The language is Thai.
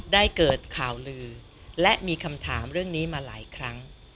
ได้เกิดข่าวลือและมีคำถามเรื่องนี้มาหลายครั้ง